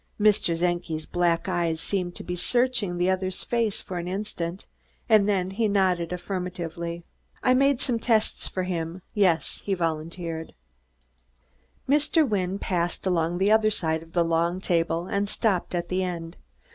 Mr. Czenki's black eyes seemed to be searching the other's face for an instant, and then he nodded affirmatively. "I made some tests for him, yes," he volunteered. Mr. Wynne passed on along the other side of the long table, and stopped at the end.